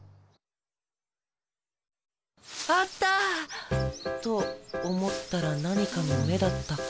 あった！と思ったら何かの芽だったか。